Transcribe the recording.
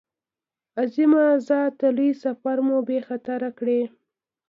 عظیمه ذاته لوی سفر مو بې خطره کړې.